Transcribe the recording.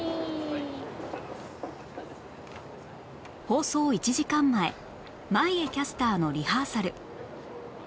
放送１時間前眞家キャスターのリハーサル